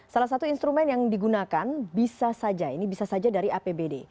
salah satu instrumen yang digunakan bisa saja ini bisa saja dari apbd